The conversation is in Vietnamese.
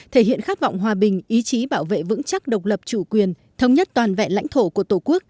thể hiện khát vọng hòa bình ý chí bảo vệ vững chắc độc lập chủ quyền thống nhất toàn vẹn lãnh thổ của tổ quốc